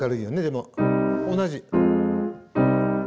でも同じ。